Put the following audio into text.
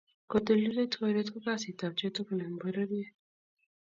kotililit koret ko kasit ab chitugul eng pororiet